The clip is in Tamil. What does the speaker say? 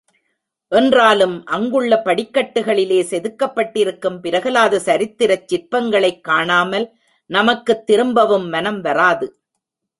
என்றாலும் அங்குள்ள படிக்கட்டுகளிலே செதுக்கப்பட்டிருக்கும் பிரகலாத சரித்திரச் சிற்பங்களைக் காணாமல் நமக்குத் திரும்பவும் மனம் வராது.